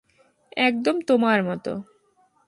একদম তোমার মতো।